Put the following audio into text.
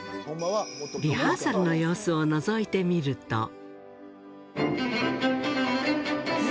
リハーサルの様子をのぞいてみると。